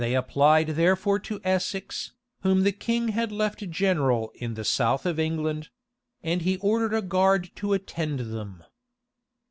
They applied therefore to Essex, whom the king had left general in the south of England; and he ordered a guard to attend them.